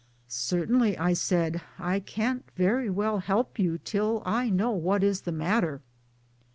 " Cer tainly," I said, " I can't very, well help you till I know what is the matter."